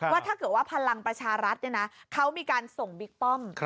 ว่าถ้าเกิดว่าพลังประชารัฐเขามีการส่งบิ๊กป้อม